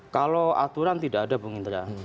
kalau aturan tidak ada bung indra